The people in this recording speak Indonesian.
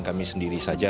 kami sendiri saja